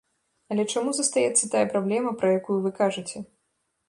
Але чаму застаецца тая праблема, пра якую вы кажаце?